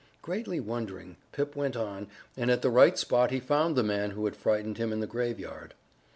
Greatly wondering, Pip went on, and at the right spot he found the man who had frightened him in the graveyard.